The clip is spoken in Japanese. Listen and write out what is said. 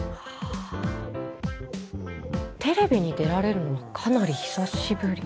テレビに出られるのはかなり久しぶり？